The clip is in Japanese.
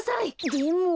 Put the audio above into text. でも。